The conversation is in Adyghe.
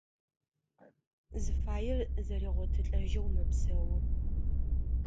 Зыфаер зэригъотылӏэжьэу мэпсэу.